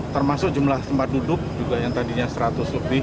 termasuk jumlah tempat duduk juga yang tadinya seratus lebih